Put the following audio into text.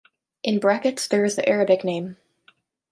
In brackets there is the Arabic name.